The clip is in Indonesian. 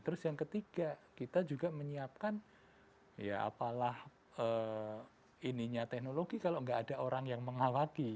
terus yang ketiga kita juga menyiapkan ya apalah teknologi kalau nggak ada orang yang mengawaki